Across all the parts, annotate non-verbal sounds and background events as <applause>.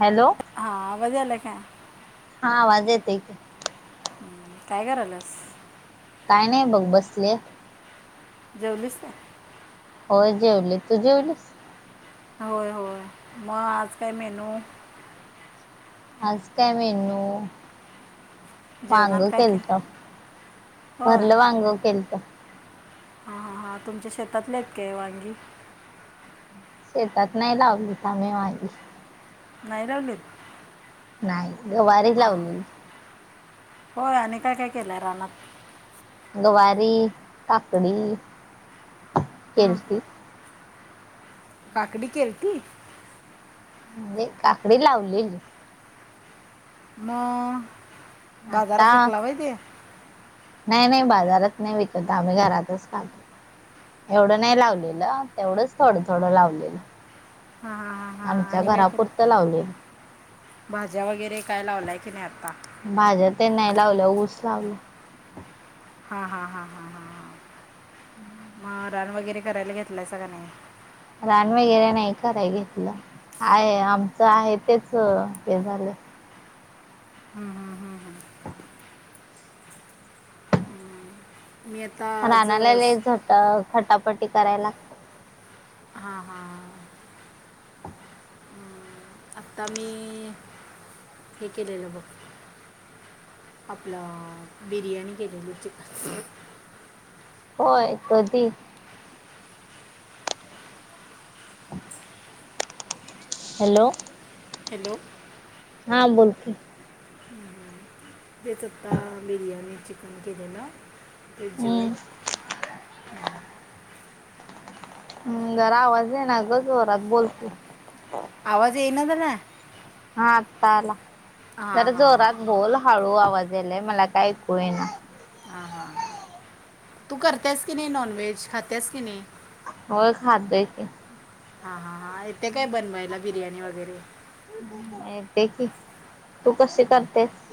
Hello हा आवाज यायला काय हा आवाज येतोय हम्म काय क आलंस काय नाही बघ बसले जेवलीस काय हो जेवली तू जेवलीस? होय होय मग आज काय मेनू? आज काय मेनु! वांग जेवणात काय केलं केलत भरलं वांग केलत. हा हा हा. तुमच्या शेतातले आहेत का वांगी? शेतात नाही लावलीत आम्ही वांगी. नाही लावलीत? नाही गवारी लावली. होय आणि काय काय केलंय रानात? गवारी, काकडी. केलती. काकडी केलती. म्हणजे काकडी लावली. म आता नाही नाही बाजार. नाही विकत आम्ही घरातच खातो एवढं नाही लावलेलं तेवढंच थोडं थोड लावलेलं. हा ह ह हां आमच्या आणि काय घरापुरतं लावलेलं भाज्या वगैरे काय लावलाय की नाही आता? लावलं ऊस लावलं. हा हा हा हा हा हा. म. न वगैरे करायला घेतलाय सग नाही? रान वगैरे नाही करायला घेतलं आहे आमचं आहे तेच हे झालं. हम् हम हम् हम मी आता आज रानालाला झट खटा. पटी करायला लागता. हा हा. आता मी हे केलेलं बघ आपलं बिर्याणी केलेली चिकन. होय कधी? हॅलो? हॅलो? हां बोलकीे. ह ह. तेच आता बिर्याणी. <unintelligible> ते हम्म जेवलात हम्म जरा आवाज दे ना ग जोरात बोलते. आवाज येईना झालाय. हा आत्ता आला. हां जरा हां जोरात बोल हळू आवा आवाज यायलाय मला काय ऐकू येईना. हा हा तू करतेस कि नाही नॉन व्हेज खातेस की नाही. होय खातेय की हा हा हाय तेे काय बनवायला बिर्याणी वगैरे करतेय की तू कशी करतेस.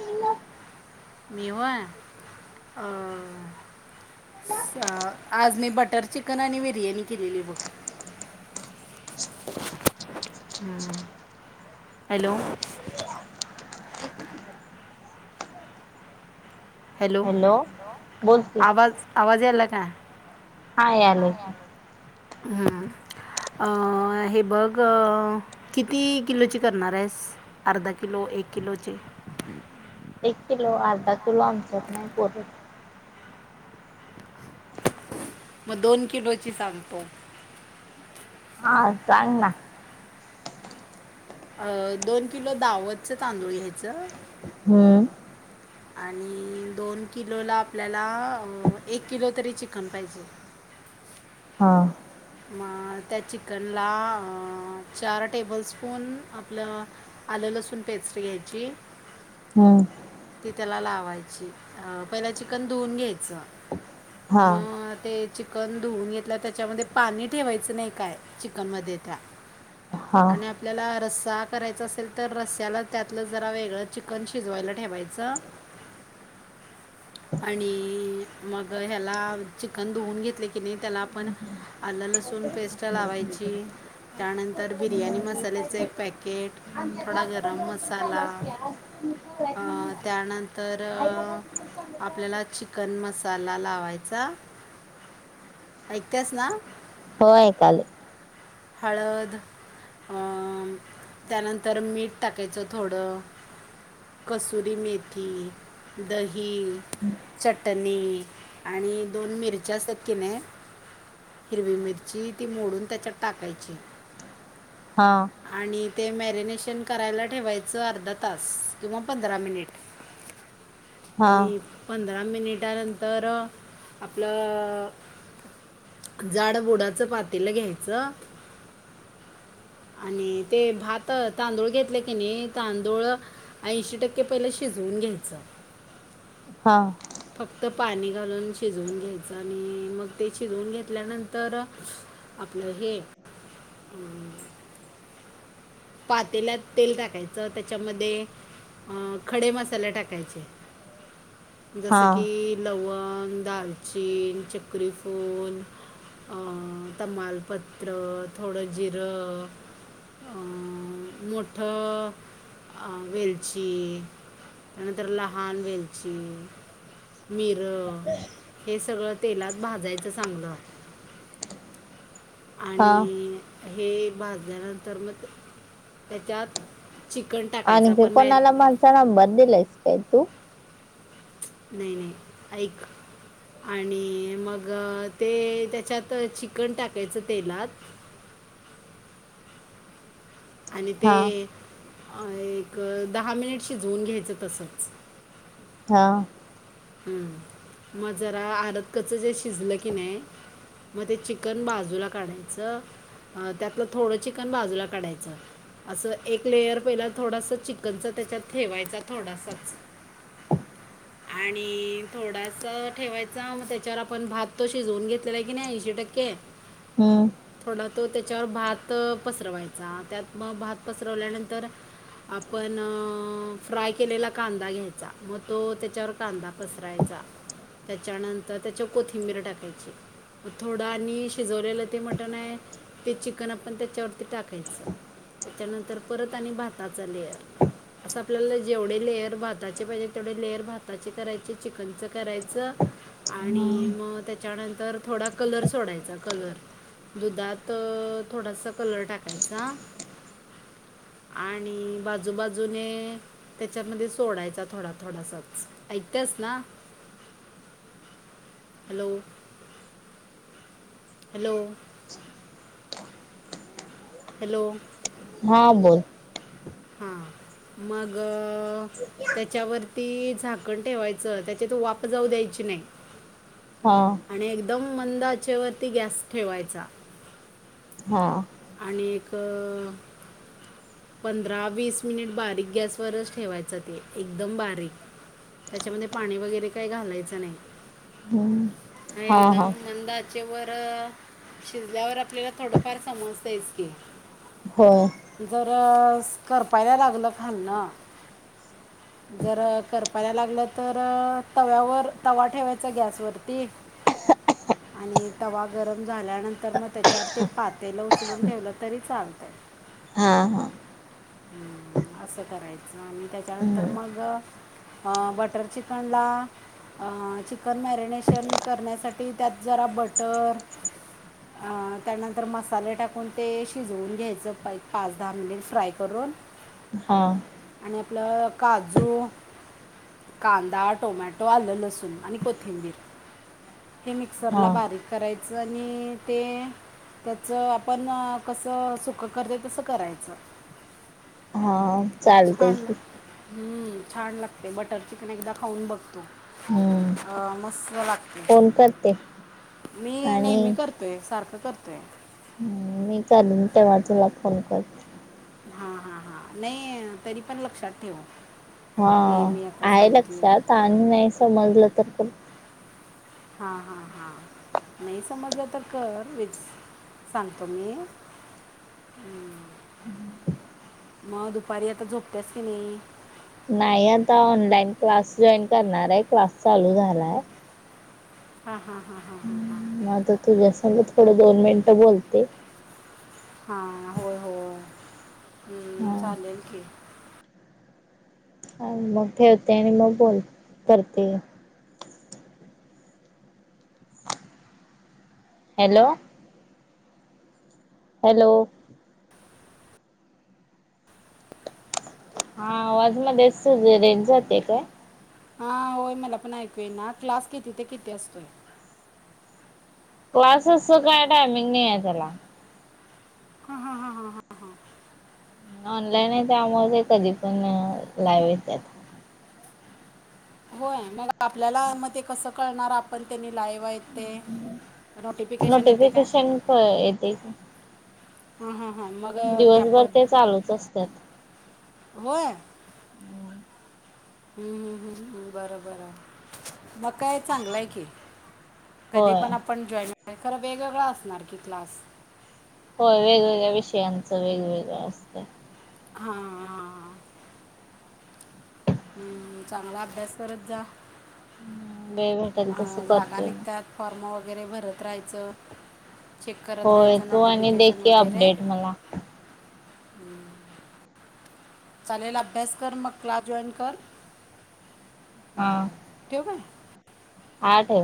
मी होय अ अ आज मी बटर चिकन आणि बिर्याणी केलेली आहे बघ. <unintelligible> हम्म हॅलो हॅलो हॅलो बोल की. आवाज आवाज यायलाय का‌? हा यायलेत. हम्म अ हे बघ किती किलोची करणार आहेस अर्धा किलो एक किलोचे एक किलो अर्धा किलो आमच्यात नाही पुरत मग दोन किलोची सांग पाहू. हा चालल ना. अ दोन किलो दावतच तांदूळ घ्यायचं हम्म आणि दोन किलोला आपल्याला एक किलो तरी चिकन पाहिजे. हा मग त्या चिकनला चार टेबल स्पून आपलं आलं लसूण पेस्ट घ्यायची. हम्म ती त्याला लावायची अ पहिला चिकन धुवून घ्यायचं. हा म ते चिकन धुवून घेतला त्याच्यामध्ये पाणी ठेवायचं नाही काय चिकनमध्ये त्या हा आणि आपल्याला रस करायचं असेल तर रस्स्याला त्यातलं जरा वेगळं चिकन शिजवायला ठेवायचं. आणि मग ह्याला चिकन धुवून घेतले की नाही त्याला आपण आलं लसूण पेस्ट लावायची त्यानंतर बिर्याणी मसाल्याचं एक पॅकेट थोडा गरम मसाला अ त्यानंतर आपल्याला चिकन मसाला लावायचा ऐकतेस ना. होय ऐकायले हळद अ त्यानंतर मीठ टाकायचं थोडं कसुरी मेथी दही चटणी आणि दोन मिरच्या असतात की नाही हिरवी मिरची ती मोडून त्याच्यात टाकायची. हा आणि ते मॅरीनेशन करायला ठेवायचं अर्धा तास, किंवा पंधरा मिनिट. हा आणि. अहं. पंधरा मिनिटांनंतर.. आपलं अं जाड बुडाच पातेलं घ्यायचं. च.. आनी ते भात, तांदूळ घेतले कीं नाही, तांदूळ ऐशी टक्के पाहिलं शिजवून घ्यायचं. हा.. फक्त पानी घालून शिजवून घ्यायचं, आनी मग ते शिजवून घेतल्यानंतर आपलं हे, अं पातेल्यात तेल टाकायचं, त्याच्यामदे अं खडे मसाले टाकायचे. हा जसं की, लवंग. लवंग, दालचिन, चक्रीफूल अं तमालपत्र, थोडं जिरं, अं मोठं... आ वेलची, त्यानंतर लहान वेलची, मिर, हे सगळं तेलात भाजायचं चांगल. हा आणि.... हे भाजल्यानंतर म ते त्याच्यात चिकन टाकायचं आणखी आपण मॅर कोणाला माझा नंबर दिलायंस का तू? नाही नाही ऐक. आणि मग ते त्याच्यात चिकन टाकायचं तेलात आणि ते.... हा अ एक दहा मिनिट शिजवून घ्यायचं तसंच. हा.. हं, मं जरा अडचकच्च जे शिजलं किनाय, मं ते चिकन बाजूला काढायचं, त्यातलं थोडं चिकन बाजूला काढायचं, असं एक लेयर पहिला थोडासा चिकनचा त्याच्यात ठेवायचा थोडासाच. आणि.. थोडासा ठेवायचा मं त्याच्यावर आपन भात तो शिजवून घेतलेला हाय कीं नाय, ऐशी टक्के, हम्म थोडा तो त्याच्यावर भात तो पसरवायचा. त्यात मं भात पसरवल्या नंतर आपन... फ्राय केलेला कांदा घ्यायचा मं तो त्याच्यावर कांदा पसरयचा. त्याच्यानंतर त्याच्यावर कोथिंबीर टाकायची. मं थोडं आनी शिजवलेलं ते मटण हाय ते चिकन आपण त्याच्यावरती टाकायचं. त्यांच्यानंतर परत अनिक भाताचा लेयर, असं आपल्याला जेवढं लेयर भाताचे पाहिजे तेवढे लेयर भाजी करायची चिकनच करायच, आणि हम्म मं त्याच्यानंतर थोडा कलर सोडायचा कलर. दुधात.. थोडास कलर टाकायचा, आणि बाजूबाजूने त्याच्यामध्ये सोडायचा. थोडा - थोडासाच. ऐकतंस ना, हॅलो! हॅलो! हॅलो! हां, बोल. हा, मग.. त्याच्यावरती.... झाकण ठेवायचं त्याची तं वाफच जाऊ द्यायची नाय. हा आणि एकद मंद आचेवरती गॅस ठेवायचा. हा. आणि एक पंधरा वीस मिनिट बारीक गॅसवरच ठेवायच ते. एकदम बारीक. त्याच्यामध्ये पाणी वैगरे काहीच घालायचं नाही. हम्म हा एकदम मंद आचेवर तं.. शिजल्यावर आपल्याला थोडंफार समजतंयेच कीं. हो. तर करपाया लागलं खालन, जर करपाया लागलं तर... तव्यावर तवा ठेवायचा गॅसवरती. आणि तवा गरम झाल्यानंतर न त्याच्यावर ते पातेलं उचलून ठेवलं तरी चालतंय. हा हा हं.. असं करायचं आणि त्याच्यानंतर हम्म मग अ बटर चिकनला, चिकन मॅरीनेशन करण्यासाठी त्यात जरा बटर, अ.. त्यानंतर मसाले टाकून ते शिजवून घ्यायचं पाय पाच - दहा मिनिट फ्राय करून हा... आणि आपलं काजू, कांदा, टोमॅटो, आलं लसूण. आणि कोथिंबीर. हे हा मिक्सरला बारीक कराय च नी.. ते त्याच आपन कसं सुकं करतय तसं करायचं चालतये की ह्म छान लागते बटर चिकन एकदा खाऊन बघतू हम्म अ मस्त लागते फोन करते मी आणि नेहमी करतोय सारखं करतोय हम्म मी चालून तेव्हा तुला फोन करते हा हा हा नाही तरी पण लक्षात ठेव हा, हे मी आता आहे सांगितलेलं लक्षात आणि नाही समजलं तर पण हा हा हा, नाही समजलं तर कर मिन्स सांगतो मी. हम् मग दुपारी आता झोपतेस कि नाही? नाही, आता ऑनलाइन क्लास जॉईन करणार आहे, क्लास चालू झालाय. हा हा हा हा हा हा. म आता तुझ्या संग थोडं दोन मिनिटं बोलते. हा हो हो हम्म हा चालेल की. मग ठेवते आणि मग बोल करते. हॅलो. हॅलो. हा आवाज मध्येच रेंज जाते काय? हा होय मला पण ऐकू येई ना, क्लास किती ते किती असतोय? क्लासेसच काय टायमिंग नाही आहे त्याला हा हा हा हा हा हा. ऑनलाईन आहे त्यामुळे ते कधी पण लाईव येताहेत. होय आणि मग आपल्याला म ते कस कळणार आपण त्यांनी लाईव्ह आहेत ते नोटिफिकेशन येते काय नोटिफिकेशन प येते. हा हा. दिवसभर ते चालूच असतात. व्हय. हम्म. हम्म हम्म हम्म बरं बरं मग काय चांगलंय कि. कधी होय पण आपण जॉईन नाय खरं वेगवेगळ असणार की क्लास होय वेगवेगळ्या विषयांचं वेगवेगळं असतं. हा हा. हम्म चांगला अभ्यास करत जा. हम्म वेळ भेटल तस अं, जागा करतोय मी निघतात फॉर्म भरत राहायचं चेक करत होय राहायचं तू आणि दे नोटिफिकेशन की अपडेट मला. हम्म. चालेल, अभ्यास कर मग क्लास जॉईन कर. हम्म, ठेऊ का? आठ आहे.